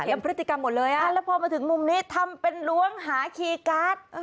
พฤติกรรมหมดเลยอ่ะแล้วพอมาถึงมุมนี้ทำเป็นล้วงหาคีย์การ์ด